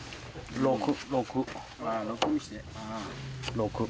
６６。